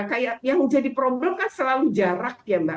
kayak yang jadi problem kan selalu jarak ya mbak